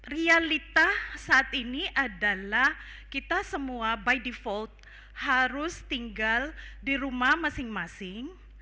realita saat ini adalah kita semua by default harus tinggal di rumah masing masing